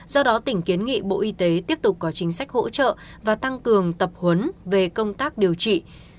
do đó tỉnh kiến nghị bộ y tế tiếp tục có chính sách hỗ trợ và tăng cường tập huấn về công tác điều trị